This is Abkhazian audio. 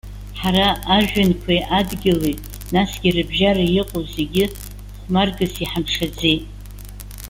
Ҳара, ажәҩанқәеи адгьыли, насгьы рыбжьара иҟоу зегьы, хәмаргас иҳамшаӡеит.